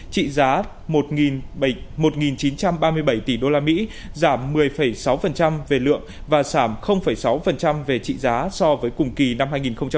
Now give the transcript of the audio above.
trị giá một chín trăm ba mươi bảy tỷ usd giảm một mươi sáu về lượng và giảm sáu về trị giá so với cùng kỳ năm hai nghìn một mươi chín